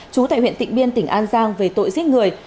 chú tại huyện tịnh biên tỉnh an giang về tội giết người